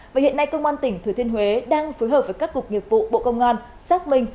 và hiện nay công an tỉnh thừa thiên huế đang phối hợp với các cục nghiệp vụ bộ công an xác minh